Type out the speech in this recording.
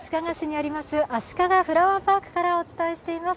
あしかがフラワーパークからお伝えしています。